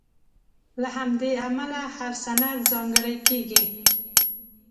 له همدې امله هر سند ځانګړی کېږي.